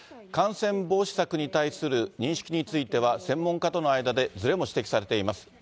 感染防止策に対する認識については、専門家との間でずれも指摘されています。